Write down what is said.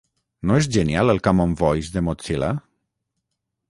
No és genial el Common Voice de Mozilla?